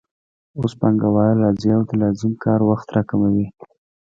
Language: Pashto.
اوس پانګوال راځي او د لازم کار وخت راکموي